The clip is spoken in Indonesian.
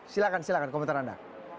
silakan silakan komentar anda